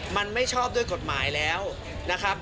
มันไม่ชอบด้วยกฎหมายแล้วนะครับ